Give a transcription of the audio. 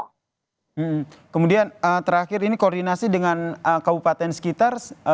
hmm kemudian terakhir ini koordinasi dengan kabupaten sekitar bagaimana untuk